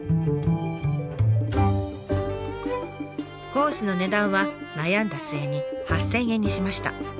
コースの値段は悩んだ末に８，０００円にしました。